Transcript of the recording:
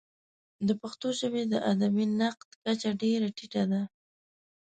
د پښتو ژبې د ادبي نقد کچه ډېره ټیټه ده.